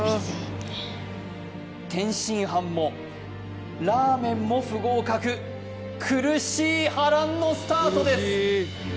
天津飯もラーメンも不合格苦しい波乱のスタートです